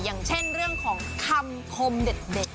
อย่างเช่นเรื่องของคำคมเด็ก